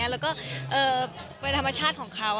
แล้วก็เป็นธรรมชาติของเขา